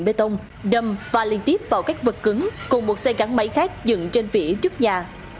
bê tông đâm và liên tiếp vào các vật cứng cùng một xe gắn máy khác dựng trên vỉa trước nhà